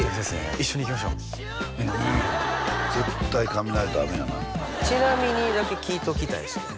一緒に行きましょう絶対雷と雨やなちなみにだけ聞いておきたいですね